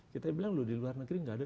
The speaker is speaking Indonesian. kita bilang di luar negeri gak ada